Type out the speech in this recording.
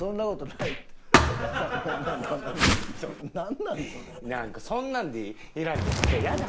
なんかそんなんで選んで嫌だ。